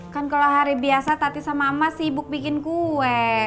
kan kalau hari biasa tati sama mama sibuk bikin kue